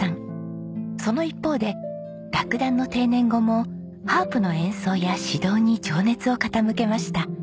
その一方で楽団の定年後もハープの演奏や指導に情熱を傾けました。